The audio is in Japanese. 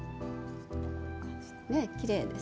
きれいです。